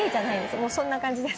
もうそんな感じです。